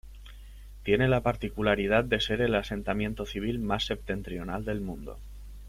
Tiene la particularidad de ser el asentamiento civil más septentrional del mundo.